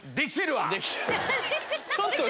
ちょっと。